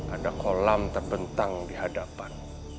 ada kolam terbentang di hadapan